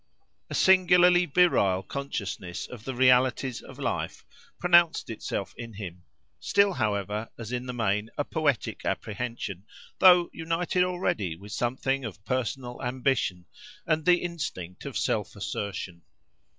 A singularly virile consciousness of the realities of life pronounced itself in him; still however as in the main a poetic apprehension, though united already with something of personal ambition and the instinct of self assertion.